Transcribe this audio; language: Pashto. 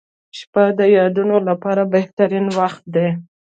• شپه د یادونو لپاره بهترین وخت دی.